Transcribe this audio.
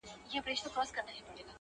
ماته اسانه سو د لوی خدای په عطا مړ سوم~